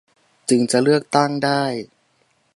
จึงจะเลือกตั้งได้